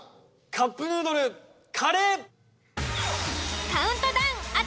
カップヌードルカレー！